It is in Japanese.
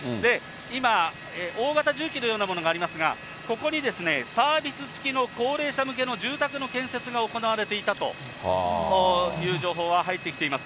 今、大型重機のようなものがありますが、ここにですね、サービス付きの高齢者向けの住宅の建設が行われていたという情報は入ってきています。